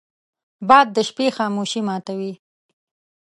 باد د شپې خاموشي ماتوي